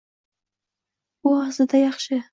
Bu aslida yaxshi.